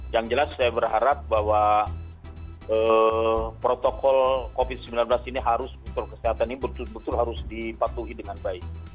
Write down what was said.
yang jelas saya berharap bahwa protokol covid sembilan belas ini harus protokol kesehatan ini betul betul harus dipatuhi dengan baik